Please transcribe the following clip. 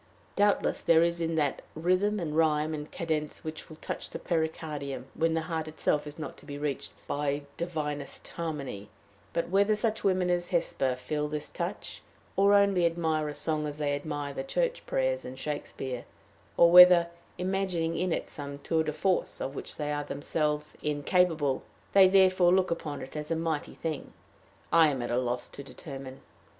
Doubtless there is that in rhythm and rhyme and cadence which will touch the pericardium when the heart itself is not to be reached by divinest harmony; but, whether such women as Hesper feel this touch or only admire a song as they admire the church prayers and Shakespeare, or whether, imagining in it some tour de force of which they are themselves incapable, they therefore look upon it as a mighty thing, I am at a loss to determine.